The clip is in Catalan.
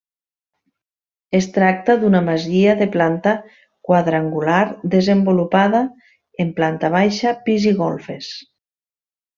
Es tracta d'una masia de planta quadrangular desenvolupada en planta baixa, pis i golfes.